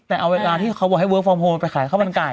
แต่เอาเวลาที่เขาบอกให้เวิร์คฟอร์มโฮลไปขายข้าวมันไก่